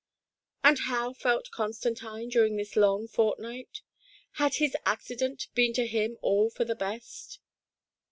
And how felt Constantine during this long fortnight ? Had his accident been to him all for the best